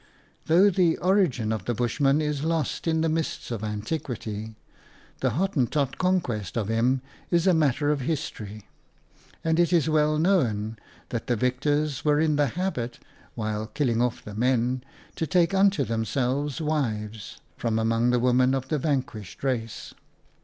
Though the origin of the Bushman is lost in the mists of antiquity, the Hottentot conquest of him is a matter of history, and it is well known that the victors were in the habit, while killing off the men, to take unto themselves wives from among the women of the van quished race.